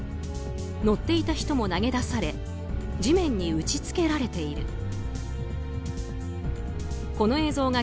乗っていた人も投げ出され地面に打ち付けられている。